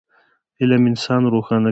علم انسان روښانه کوي.